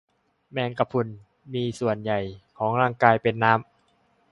แมงกะพรุน มีส่วนใหญ่ของร่างกายเป็นน้ำ